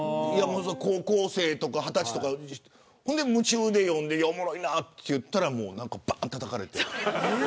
高校生とか２０歳とかほんで夢中で読んでおもろいなって言ったらばんってたたかれて。